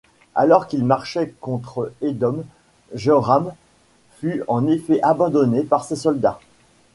Alors qu'il marchait contre Edom, Joram fut en effet abandonné par ses soldats.